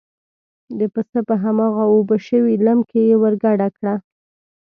د پسه په هماغه اوبه شوي لم کې یې ور ګډه کړه.